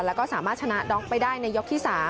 แล้วก็สามารถชนะด็อกไปได้ในยกที่๓